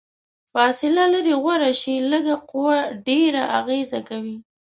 فاصله لرې غوره شي، لږه قوه ډیره اغیزه کوي.